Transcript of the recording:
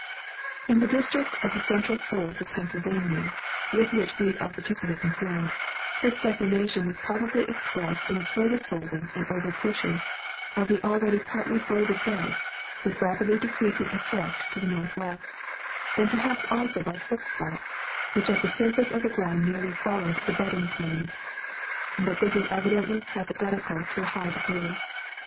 In the district of the central folds of Pennsylvania, with which we are particularly concerned, this deformation was probably expressed in a fui'ther folding and over pushing of the already partly folded beds, with rapidly decreasing effect to the north west ; and perhaps also by slip faults, which at the surface of the ground nearly followed the bedding planes : but this is evidently hypothetical to a high degree.